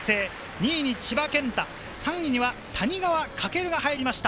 ２位に千葉健太、３位には谷川翔が入りました。